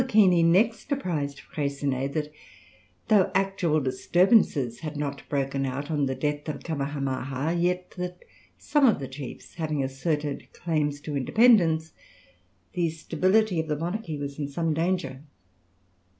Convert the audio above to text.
_] Kouakini next apprised Freycinet that though actual disturbances had not broken out on the death of Kamahamaha, yet that some of the chiefs having asserted claims to independence, the stability of the monarchy was in some danger.